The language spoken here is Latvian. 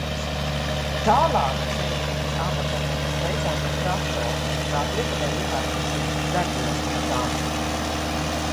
Tālāk ceļu līdz Abakanai mēs veicām ar traktoru, tā piekabē iekārtojušies uz degvielas mucām.